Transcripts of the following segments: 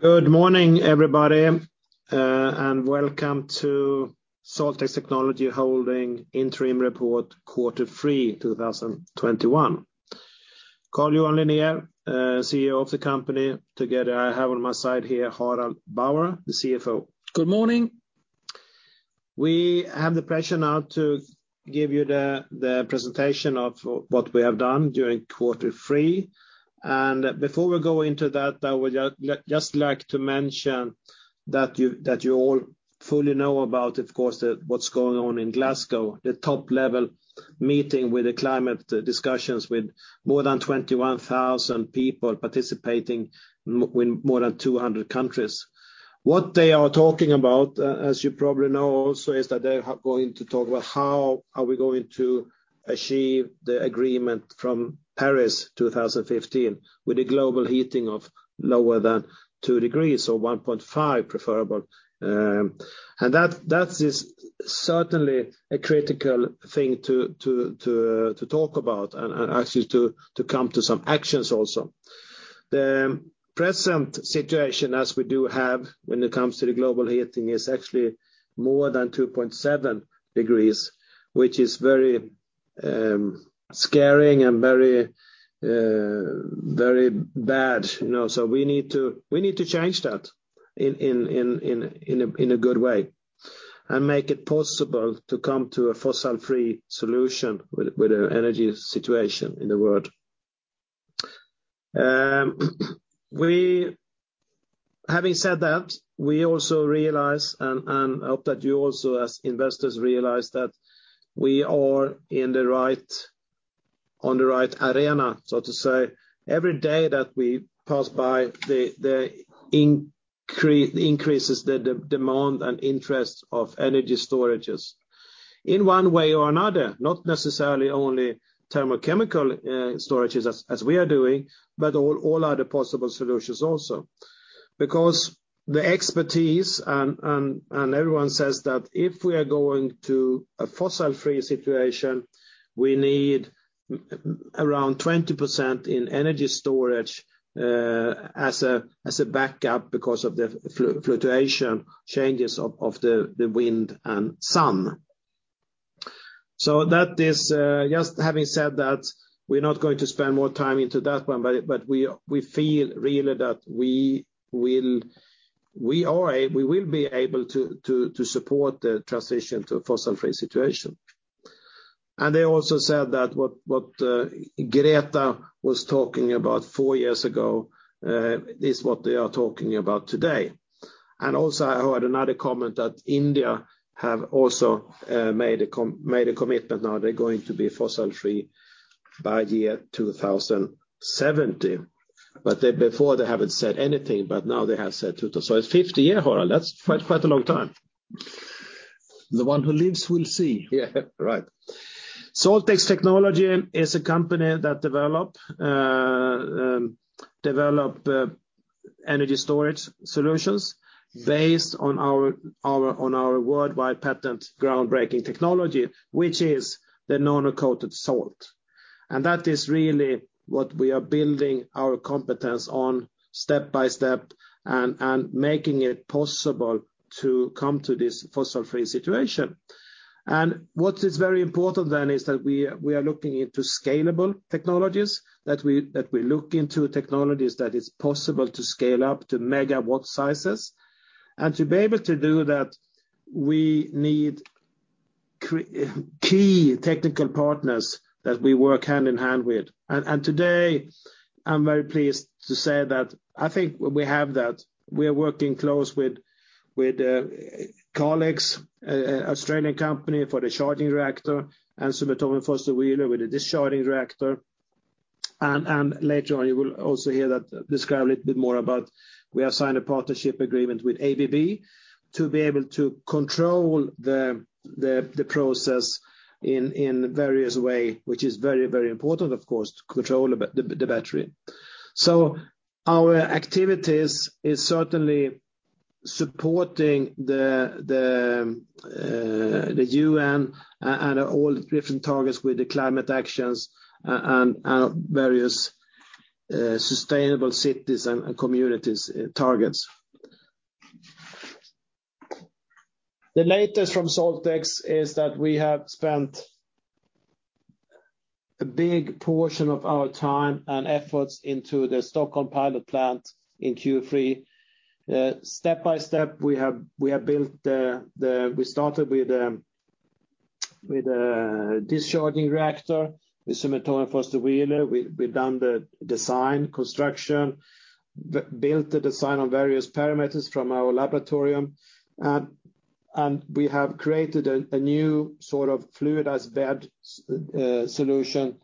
Good morning, everybody, and welcome to SaltX Technology holding interim report quarter three, 2021. Carl-Johan Linér, CEO of the company. Together, I have on my side here, Harald Bauer, the CFO. Good morning. We have the pleasure now to give you the presentation of what we have done during quarter three. Before we go into that, I would just like to mention that you all fully know about, of course, what's going on in Glasgow, the top level meeting with the climate discussions with more than 21,000 people participating in more than 200 countries. What they are talking about, as you probably know also, is that they are going to talk about how are we going to achieve the agreement from Paris 2015 with the global heating of lower than two degrees or 1.5 preferable. That is certainly a critical thing to talk about and actually to come to some actions also. The present situation as we do have when it comes to the global heating is actually more than 2.7 degrees, which is very scary and very bad. You know, we need to change that in a good way and make it possible to come to a fossil-free solution with the energy situation in the world. Having said that, we also realize and hope that you also, as investors, realize that we are on the right arena, so to say. Every day that we pass by, the increase increases the demand and interest of energy storages. In one way or another, not necessarily only thermochemical storages as we are doing, but all other possible solutions also. Because the expertise and everyone says that if we are going to a fossil-free situation, we need around 20% in energy storage as a backup because of the fluctuation changes of the wind and sun. That is just having said that, we're not going to spend more time into that one, but we feel really that we will. We will be able to support the transition to a fossil-free situation. They also said that what Greta was talking about four years ago is what they are talking about today. Also, I heard another comment that India have also made a commitment. They're going to be fossil-free by 2070. Before, they haven't said anything, but now they have said 2000. It's 50-year, Harald. That's quite a long time. The one who leaves will see. Yeah, right. SaltX Technology is a company that develop energy storage solutions based on our worldwide patent groundbreaking technology, which is the nanocoated salt. That is really what we are building our competence on step by step and making it possible to come to this fossil-free situation. What is very important then is that we are looking into scalable technologies, that we look into technologies that it's possible to scale up to megawatt sizes. To be able to do that, we need key technical partners that we work hand-in-hand with. Today, I'm very pleased to say that I think we have that. We are working close with Calix, an Australian company for the charging reactor, and Cementa och Foster Wheeler with the discharging reactor. Later on, you will also hear that described a little bit more about we have signed a partnership agreement with ABB to be able to control the process in various ways, which is very important, of course, to control the battery. Our activities are certainly supporting the UN and all different targets with the climate actions and various sustainable cities and communities targets. The latest from SaltX is that we have spent a big portion of our time and efforts into the Stockholm pilot plant in Q3. Step by step, we started with a discharging reactor with Cementa and Foster Wheeler. We've done the design, construction, built the design on various parameters from our laboratory. We have created a new sort of fluidized bed solution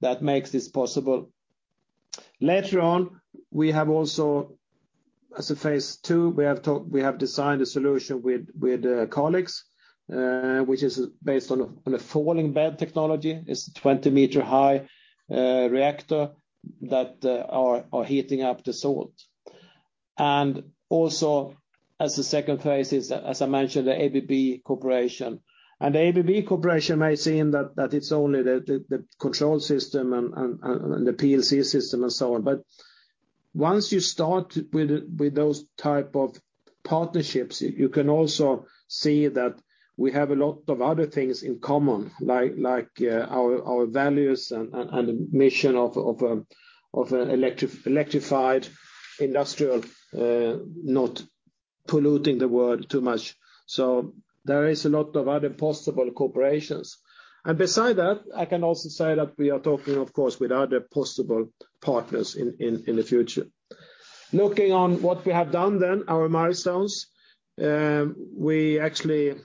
that makes this possible. Later on, as phase two, we have designed a solution with Calix, which is based on a falling bed technology. It's a 20-m-high reactor that are heating up the salt. As the second phase is, as I mentioned, the ABB Corporation. The ABB Corporation may seem that it's only the control system and the PLC system and so on. Once you start with those type of partnerships, you can also see that we have a lot of other things in common, like our values and the mission of electrified industrial, not polluting the world too much. There is a lot of other possible corporations. Beside that, I can also say that we are talking of course with other possible partners in the future. Looking on what we have done then, our milestones, we actually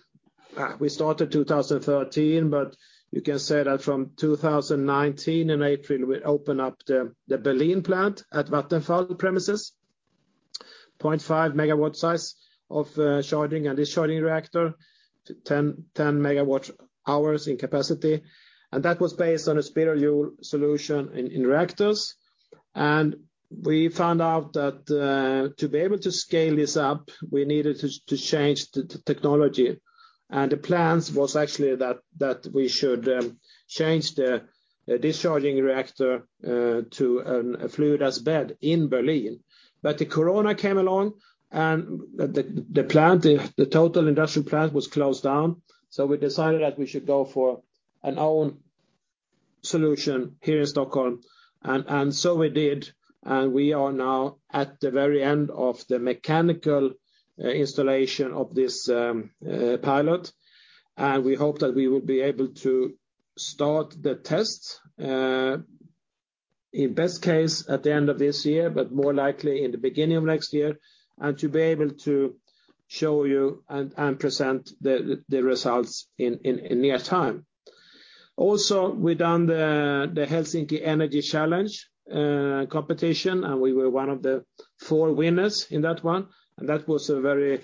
started 2013, but you can say that from 2019 in April, we opened up the Berlin plant at Vattenfall premises. 0.5 MW size of charging and discharging reactor, 10 MWh in capacity. That was based on a spiral solution in reactors. We found out that to be able to scale this up, we needed to change the technology. The plans was actually that we should change the discharging reactor to a fluidized bed in Berlin. The corona came along and the plant, the total industrial plant was closed down. We decided that we should go for an own solution here in Stockholm. So we did, and we are now at the very end of the mechanical installation of this pilot. We hope that we will be able to start the test in best case at the end of this year, but more likely in the beginning of next year, and to be able to show you and present the results in near time. Also, we've done the Helsinki Energy Challenge competition, and we were one of the four winners in that one. That was a very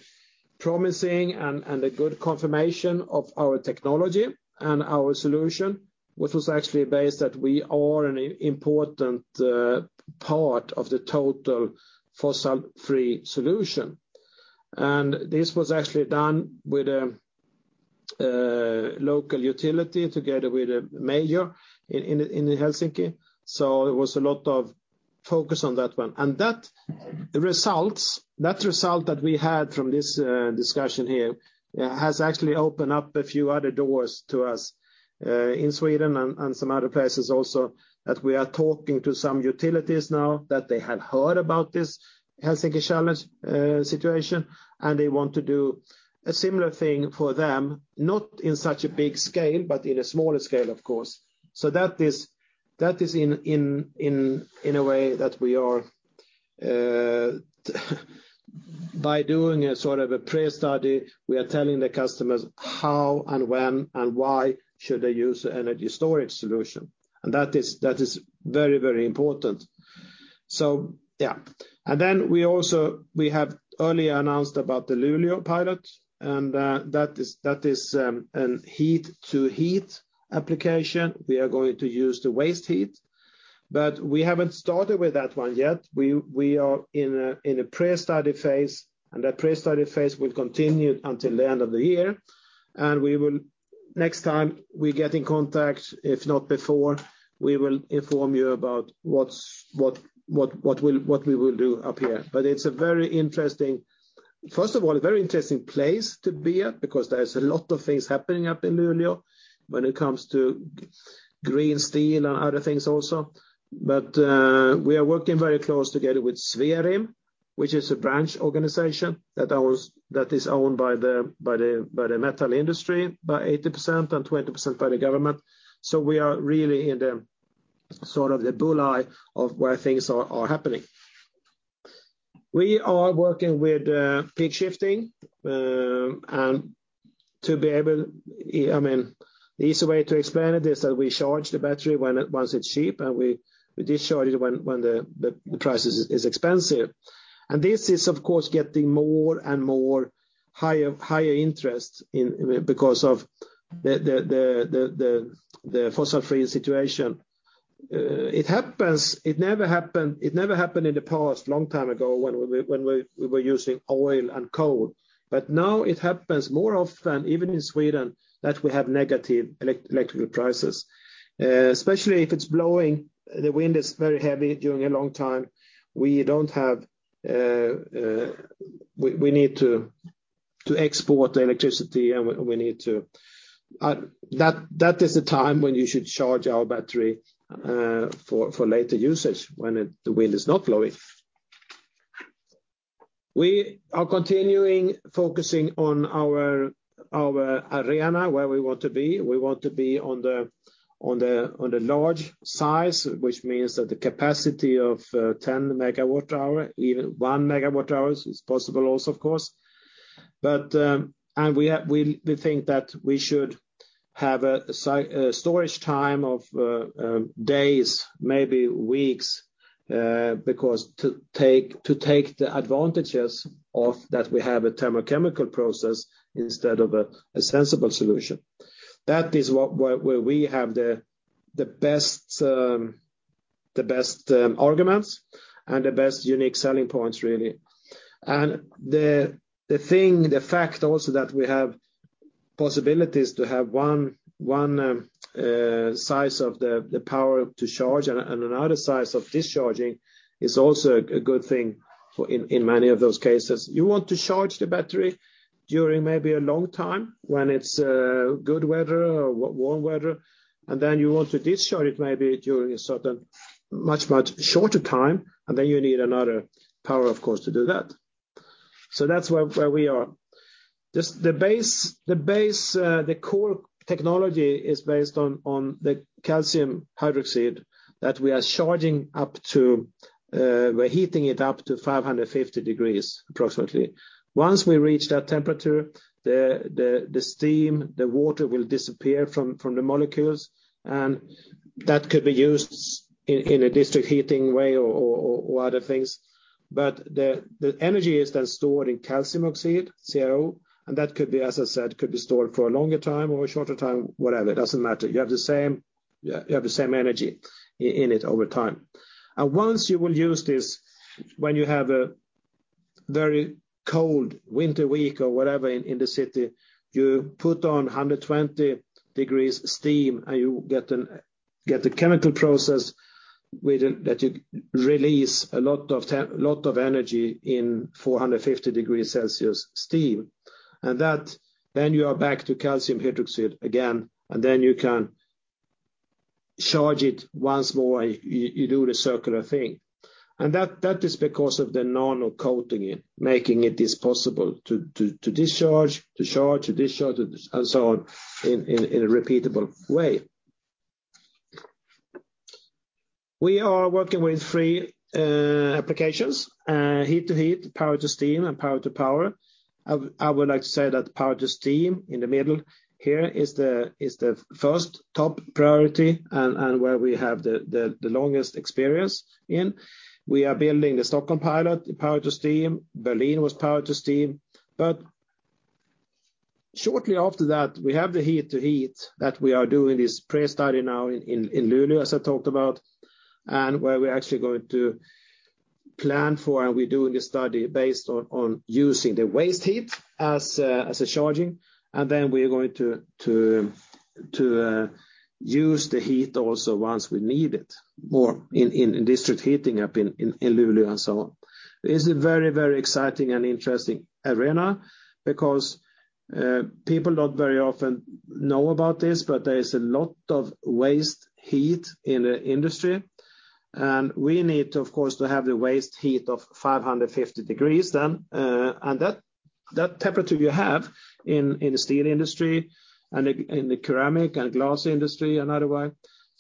promising and a good confirmation of our technology and our solution, which was actually based that we are an important part of the total fossil-free solution. This was actually done with local utility together with a mayor in Helsinki. It was a lot of focus on that one. The results that we had from this discussion here has actually opened up a few other doors to us in Sweden and some other places also, that we are talking to some utilities now that they have heard about this Helsinki Challenge situation, and they want to do a similar thing for them, not in such a big scale, but in a smaller scale, of course. That is in a way that we are by doing a sort of a pre-study, we are telling the customers how and when and why should they use energy storage solution. That is very, very important. Yeah. Then we also, we have earlier announced about the Luleå pilot, and that is heat-to-heat application. We are going to use the waste heat, but we haven't started with that one yet. We are in a pre-study phase, and that pre-study phase will continue until the end of the year. We will, next time we get in contact, if not before, inform you about what we will do up here. It's a very interesting place to be at, first of all, because there's a lot of things happening up in Luleå when it comes to green steel and other things also. We are working very close together with Swerim, which is a branch organization that is owned by the metal industry by 80% and 20% by the government. We are really in the sort of bull's-eye of where things are happening. We are working with peak shifting, and to be able, I mean, the easy way to explain it is that we charge the battery when once it's cheap, and we discharge it when the price is expensive. This is of course getting more and more higher interest in because of the fossil-free situation. It happens. It never happened in the past, long time ago, when we were using oil and coal. Now it happens more often, even in Sweden, that we have negative electricity prices. Especially if it's blowing, the wind is very heavy during a long time. We need to export the electricity and that is the time when we should charge our battery for later usage when the wind is not blowing. We are continuing focusing on our arena, where we want to be. We want to be on the large size, which means that the capacity of 10 MWh, even 1 MWh is possible also, of course. We think that we should have a storage time of days, maybe weeks, because to take the advantages of that we have a thermochemical process instead of a sensible solution. That is where we have the best arguments and the best unique selling points, really. The thing, the fact also that we have possibilities to have one size of the power to charge and another size of discharging is also a good thing for in many of those cases. You want to charge the battery during maybe a long time when it's good weather or warm weather, and then you want to discharge it maybe during a certain much shorter time, and then you need another power, of course, to do that. That's where we are. The core technology is based on the calcium hydroxide that we are charging up to, we're heating it up to 550 degrees approximately. Once we reach that temperature, the steam, the water will disappear from the molecules, and that could be used in a district heating way or other things. But the energy is then stored in calcium oxide, CaO, and that could be, as I said, could be stored for a longer time or a shorter time, whatever, it doesn't matter. You have the same energy in it over time. Once you will use this, when you have a very cold winter week or whatever in the city, you put on 120 degrees steam, and you get a chemical process with it that you release a lot of energy in 450 degrees Celsius steam. That then you are back to calcium hydroxide again, and then you can charge it once more, you do the circular thing. That is because of the nano-coating, making it possible to discharge, to charge, to discharge, and so on in a repeatable way. We are working with three applications, Heat to Heat, Power to Steam, and Power to Power. I would like to say that Power to Steam in the middle here is the first top priority and where we have the longest experience in. We are building the Stockholm pilot, the Power to Steam. Berlin was Power to Steam. Shortly after that, we have the Heat to Heat that we are doing this pre-study now in Luleå, as I talked about, and where we're actually going to plan for and we're doing this study based on using the waste heat as a charging. Then we are going to use the heat also once we need it more in district heating up in Luleå and so on. It's a very exciting and interesting arena because people don't very often know about this, but there is a lot of waste heat in the industry. We need to, of course, have the waste heat of 550 degrees then. That temperature you have in the steel industry and in the ceramic and glass industry and otherwise.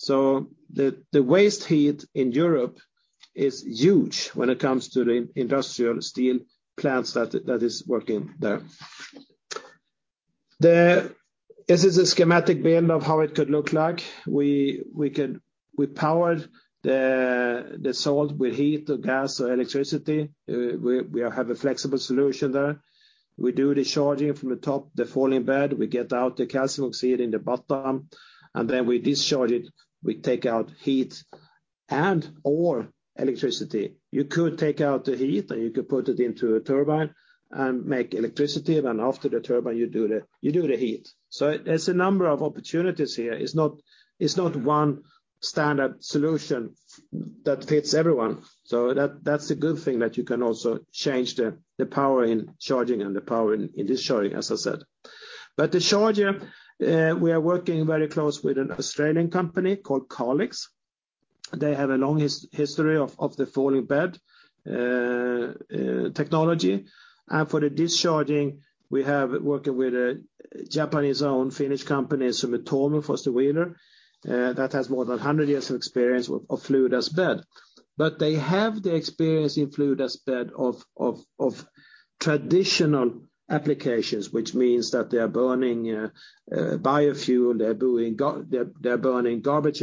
The waste heat in Europe is huge when it comes to the industrial steel plants that is working there. This is a schematic build of how it could look like. We could power the salt with heat or gas or electricity. We have a flexible solution there. We do the charging from the top, the falling bed, we get out the calcium oxide in the bottom, and then we discharge it. We take out heat and or electricity. You could take out the heat, and you could put it into a turbine and make electricity. After the turbine, you do the heat. There's a number of opportunities here. It's not one standard solution that fits everyone. That's a good thing that you can also change the power in charging and the power in discharging, as I said. The charger, we are working very close with an Australian company called Calix. They have a long history of the falling bed technology. For the discharging, we are working with a Japanese-owned Finnish company, Sumitomo SHI FW, that has more than 100 years of experience with fluidized bed. They have the experience in fluidized bed of traditional applications, which means that they are burning biofuel, they're burning garbage,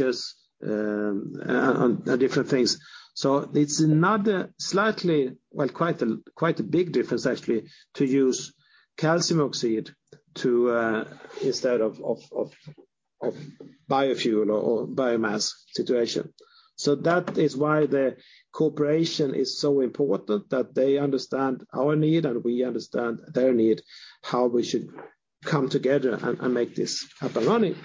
and different things. It's another slightly, well, quite a big difference actually to use calcium oxide to instead of biofuel or biomass situation. That is why the cooperation is so important that they understand our need and we understand their need, how we should come together and make this up and running.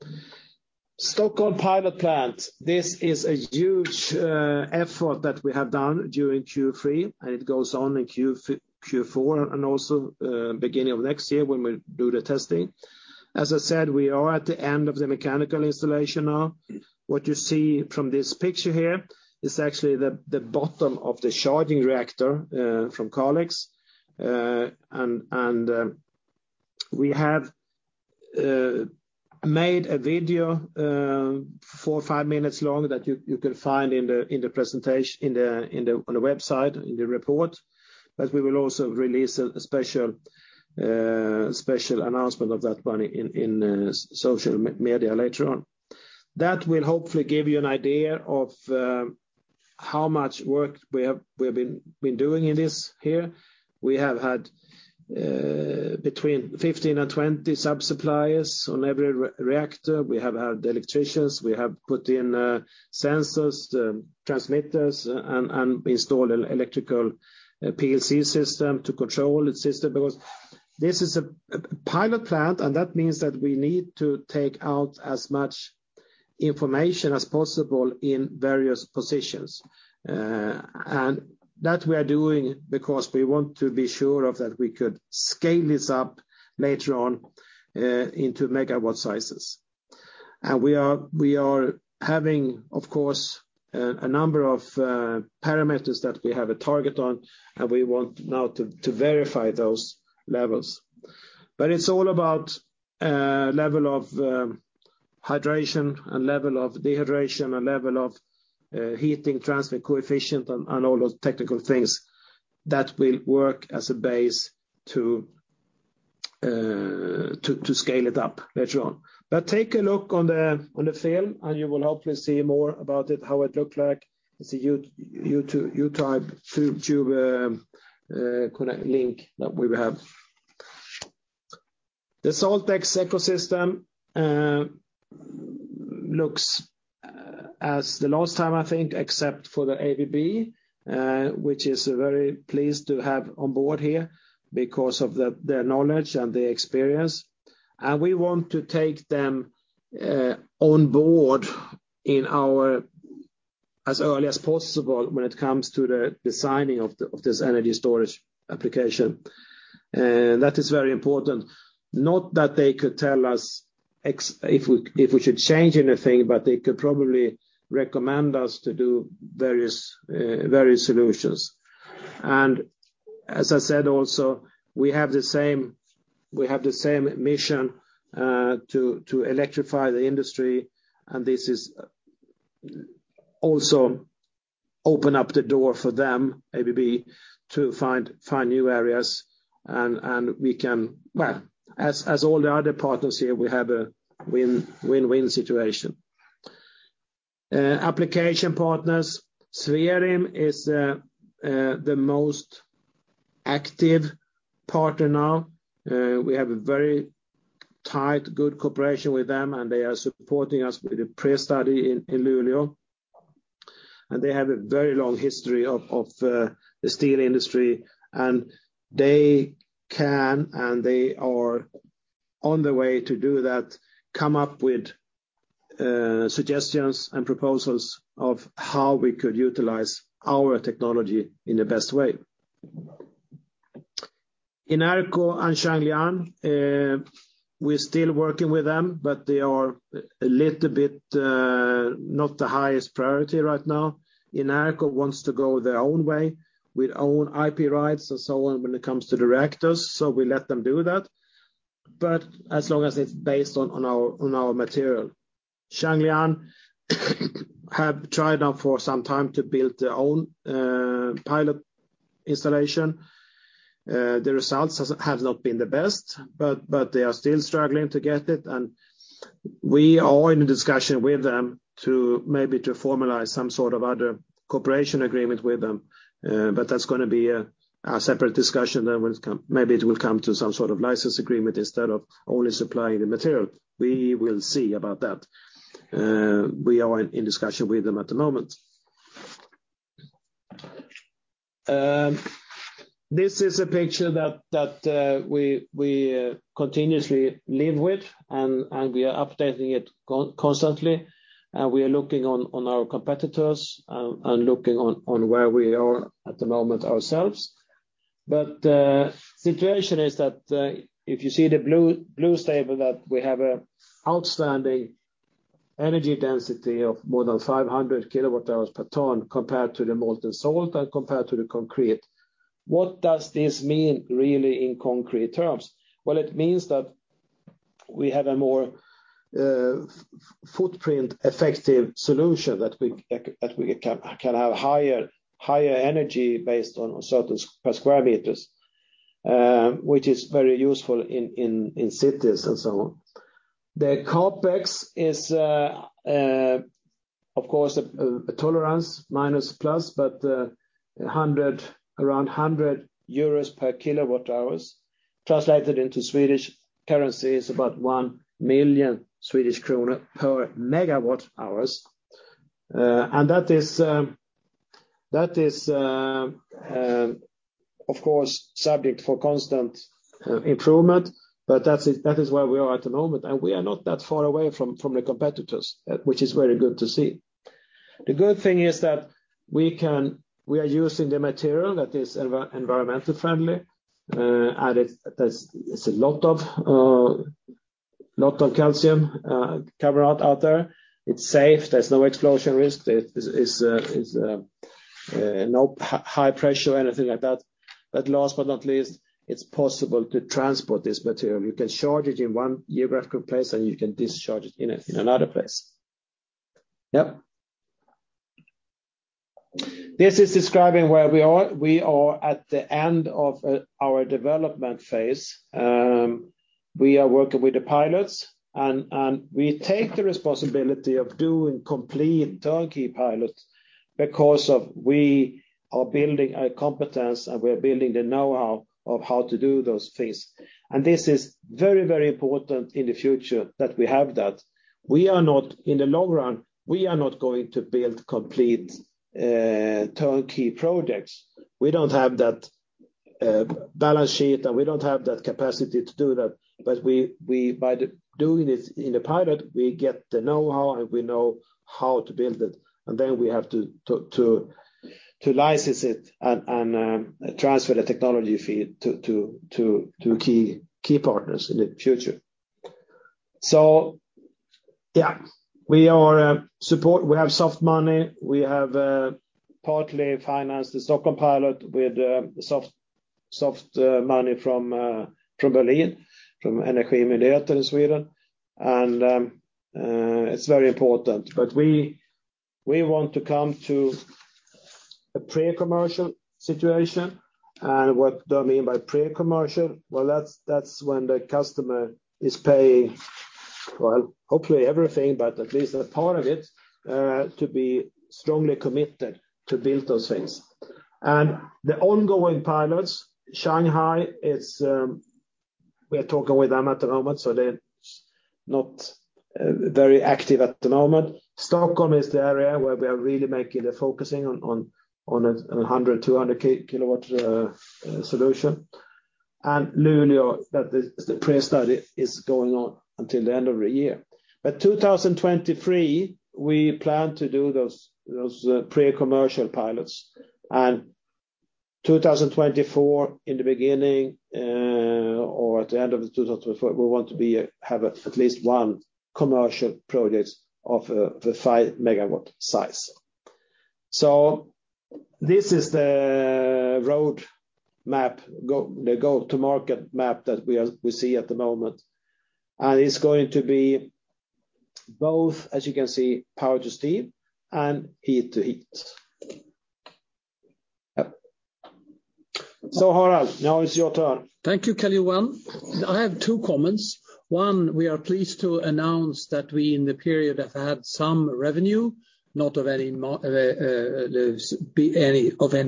The Stockholm pilot plant is a huge effort that we have done during Q3, and it goes on in Q4 and also beginning of next year when we do the testing. As I said, we are at the end of the mechanical installation now. What you see from this picture here is actually the bottom of the charging reactor from Calix. And we have made a video four or five minutes long that you can find on the website, in the report. We will also release a special announcement of that one in social media later on. That will hopefully give you an idea of how much work we have been doing in this area. We have had between 15 and 20 sub-suppliers on every reactor. We have had electricians, we have put in sensors, transmitters and installed an electrical PLC system to control the system because this is a pilot plant, and that means that we need to take out as much information as possible in various positions. That we are doing because we want to be sure that we could scale this up later on into megawatt sizes. We are having, of course, a number of parameters that we have a target on, and we want now to verify those levels. It's all about level of hydration and level of dehydration and level of heat transfer coefficient and all those technical things that will work as a base to scale it up later on. Take a look on the film, and you will hopefully see more about it, how it looked like. It's a YouTube link that we have. The SaltX ecosystem looks like the last time I think, except for the ABB, which is very pleased to have on board here because of their knowledge and their experience. We want to take them on board in our, as early as possible when it comes to the designing of this energy storage application. That is very important. Not that they could tell us if we should change anything, but they could probably recommend us to do various solutions. As I said also, we have the same mission to electrify the industry, and this is also open up the door for them, ABB, to find new areas and we can. Well, as all the other partners here, we have a win-win-win situation. Application partners, Swerim is the most active partner now. We have a very tight, good cooperation with them, and they are supporting us with a pre-study in Luleå. They have a very long history of the steel industry, and they are on the way to come up with suggestions and proposals of how we could utilize our technology in the best way. INERCO and Shuangliang, we're still working with them, but they are a little bit not the highest priority right now. INERCO wants to go their own way with own IP rights and so on when it comes to the reactors, so we let them do that. But as long as it's based on our material. Shuangliang have tried now for some time to build their own pilot installation. The results have not been the best, but they are still struggling to get it. We are in a discussion with them to maybe formalize some sort of other cooperation agreement with them. But that's gonna be a separate discussion that will come, maybe it will come to some sort of license agreement instead of only supplying the material. We will see about that. We are in discussion with them at the moment. This is a picture that we continuously live with and we are updating it constantly. We are looking on our competitors and looking on where we are at the moment ourselves. Situation is that if you see the blue statement that we have outstanding energy density of more than 500 kWh/ton compared to the molten salt and compared to the concrete. What does this mean really in concrete terms? Well, it means that we have a more footprint effective solution that we can have higher energy based on certain square meters, which is very useful in cities and so on. The CapEx is, of course, a tolerance minus plus, but around 100 euros per kWh. Translated into Swedish currency is about 1 million Swedish krona per MWh. That is, of course, subject to constant improvement, but that is where we are at the moment, and we are not that far away from the competitors, which is very good to see. The good thing is that we are using the material that is environmentally friendly, and there is a lot of calcium carbonate out there. It's safe. There's no explosion risk. There is no high pressure or anything like that. Last but not least, it's possible to transport this material. You can charge it in one geographical place, and you can discharge it in another place. Yep. This is describing where we are. We are at the end of our development phase. We are working with the pilots and we take the responsibility of doing complete turnkey pilots because of we are building our competence and we are building the know-how of how to do those things. This is very, very important in the future that we have that. We are not, in the long run, we are not going to build complete turnkey projects. We don't have that balance sheet, and we don't have that capacity to do that. We by doing it in the pilot, we get the know-how and we know how to build it, and then we have to license it and transfer the technology fee to key partners in the future. So yeah, we are supported. We have soft money. We have partly financed the Stockholm pilot with soft money from Berlin, from Energimyndigheten. It's very important. We want to come to a pre-commercial situation. What do I mean by pre-commercial? Well, that's when the customer is paying, well, hopefully everything, but at least a part of it to be strongly committed to build those things. The ongoing pilots, Shanghai, it's we are talking with them at the moment, so they're not very active at the moment. Stockholm is the area where we are really focusing on a 100 kW-200 kW solution. Luleå, the pre-study is going on until the end of the year. 2023, we plan to do those pre-commercial pilots. 2024, in the beginning or at the end of 2024, we want to have at least one commercial project of the 5 MW size. This is the roadmap, the go-to-market map that we see at the moment. It's going to be both, as you can see, Power to Steam and Heat to Heat. Yep. Harald, now it's your turn. Thank you, Carl-Johan Linér. I have two comments. One, we are pleased to announce that we, in the period, have had some revenue, not of any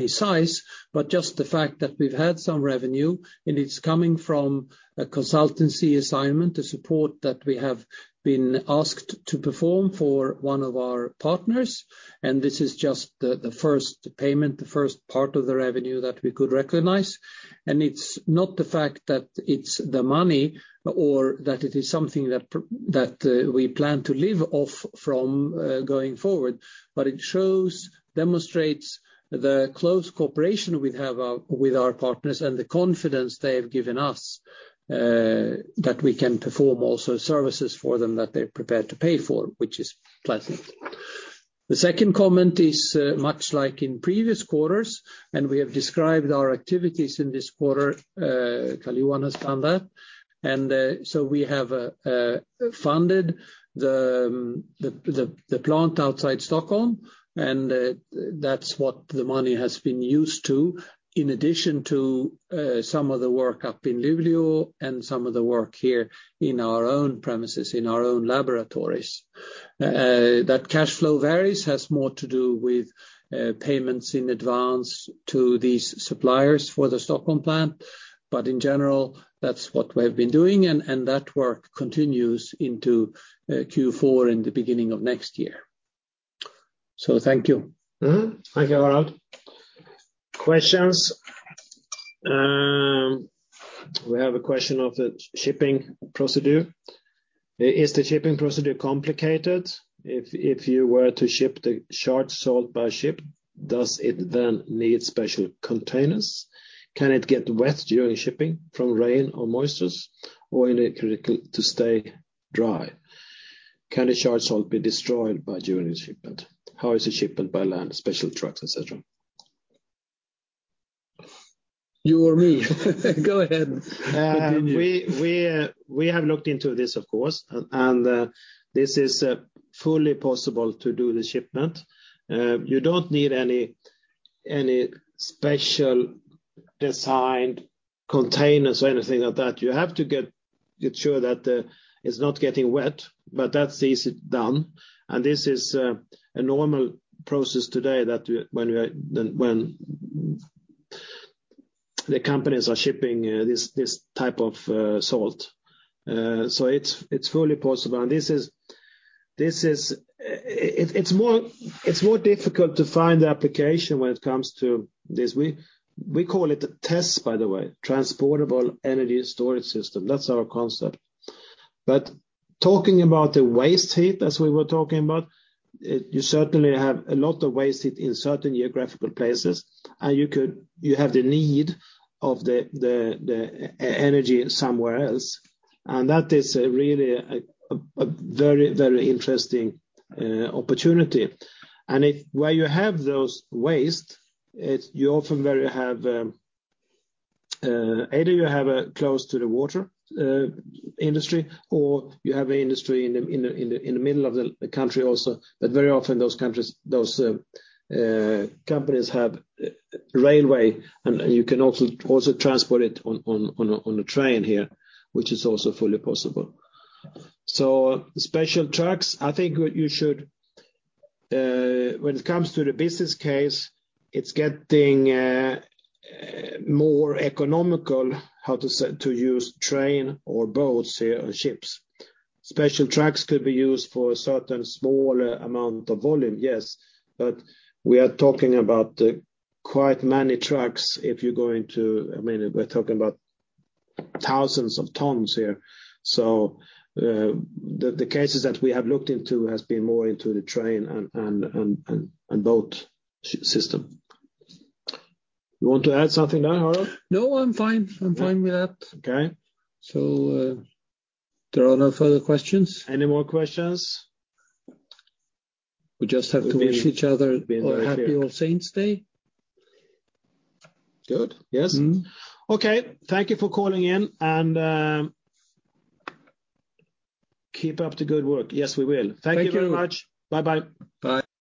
size, but just the fact that we've had some revenue, and it's coming from a consultancy assignment, the support that we have been asked to perform for one of our partners, and this is just the first payment, the first part of the revenue that we could recognize. It's not the fact that it's the money or that it is something that we plan to live off from going forward, but it shows, demonstrates the close cooperation we have with our partners and the confidence they have given us that we can perform also services for them that they're prepared to pay for, which is pleasant. The second comment is much like in previous quarters, and we have described our activities in this quarter, Carl-Johan Linér has done that. We have funded the plant outside Stockholm, and that's what the money has been used to, in addition to some of the work up in Luleå and some of the work here in our own premises, in our own laboratories. That cash flow varies, has more to do with payments in advance to these suppliers for the Stockholm plant. In general, that's what we've been doing and that work continues into Q4 in the beginning of next year. So thank you. Thank you, Harald. Questions? We have a question of the shipping procedure. Is the shipping procedure complicated? If you were to ship the charged salt by ship, does it then need special containers? Can it get wet during shipping from rain or moisture, or is it critical to stay dry? Can the charged salt be destroyed by during the shipment? How is the shipment by land, special trucks, et cetera? You or me? Go ahead. Continue. We have looked into this, of course, and this is fully possible to do the shipment. You don't need any specially designed containers or anything like that. You have to get sure that it's not getting wet, but that's easily done. This is a normal process today that when the companies are shipping this type of salt. So it's fully possible. It's more difficult to find the application when it comes to this. We call it the TESS, by the way, Transportable Energy Storage System. That's our concept. Talking about the waste heat, as we were talking about, you certainly have a lot of waste heat in certain geographical places, and you have the need of the energy somewhere else. That is a very interesting opportunity. Where you have those waste, you often have either close to the water industry, or industry in the middle of the country also. Very often those countries, those companies have railway, and you can also transport it on a train here, which is also fully possible. Special trucks, I think what you should, when it comes to the business case, it's getting more economical to use train or boats here or ships. Special trucks could be used for a certain small amount of volume, yes. We are talking about quite many trucks. I mean, we're talking about thousands of tons here. The cases that we have looked into has been more into the train and boat system. You want to add something now, Harald? No, I'm fine. I'm fine with that. Okay. There are no further questions? Any more questions? We just have to wish each other a very happy All Saints' Day. Good. Yes. Okay. Thank you for calling in and keep up the good work. Yes, we will. Thank you. Thank you very much. Bye-bye. Bye.